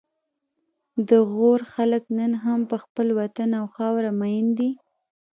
د غور خلک نن هم په خپل وطن او خاوره مین دي